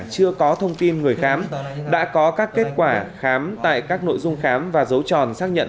chưa có thông tin người khám đã có các kết quả khám tại các nội dung khám và dấu tròn xác nhận